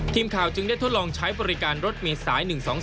ทีมข่าวจึงได้ทดลองใช้บริการรถเมษาย๑๒๒